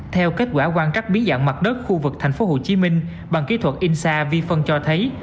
theo kết quả quan trắc bí dạng mặt đất khu vực tp hcm bằng kỹ thuật insa vi phân cho thấy